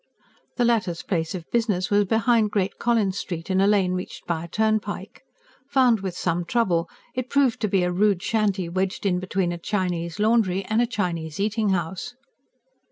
The latter's place of business was behind Great Collins Street, in a lane reached by a turnpike. Found with some trouble, it proved to be a rude shanty wedged in between a Chinese laundry and a Chinese eating house.